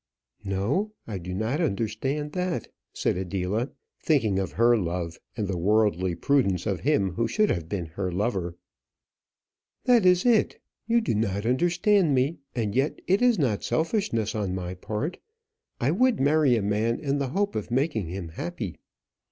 "No, I do not understand that," said Adela, thinking of her love, and the worldly prudence of him who should have been her lover. "That is it you do not understand me; and yet it is not selfishness on my part. I would marry a man in the hope of making him happy."